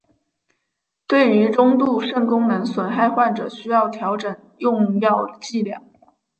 对于中度肾功能损害患者需要调整用药剂量。